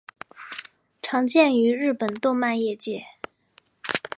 常见于日本动漫业界。